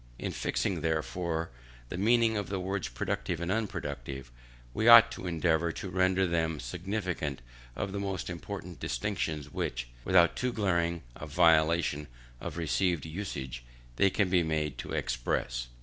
In fixing, therefore, the meaning of the words productive and unproductive, we ought to endeavour to render them significative of the most important distinctions which, without too glaring a violation of received usage, they can be made to express.